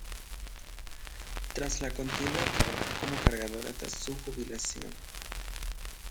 Tras la contienda trabajó como cargador hasta su jubilación.